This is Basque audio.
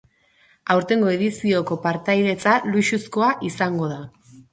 Aurtengo edizioko partaidetza luxuzkoa izango da.